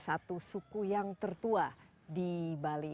dan ini adalah suku yang tertua di bali